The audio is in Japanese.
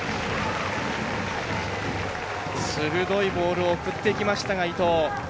鋭いボールを送っていきました伊藤。